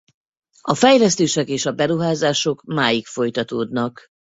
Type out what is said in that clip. A fejlesztések és a beruházások máig folytatódnak.